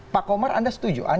pak komar anda setuju